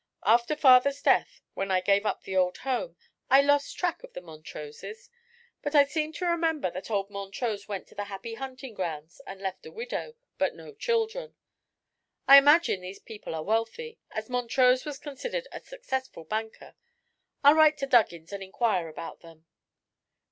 "After father's death, when I gave up the old home, I lost track of the Montroses; but I seem to remember that old Montrose went to the happy hunting grounds and left a widow, but no children. I imagine these people are wealthy, as Montrose was considered a successful banker. I'll write to Duggins and inquire about them."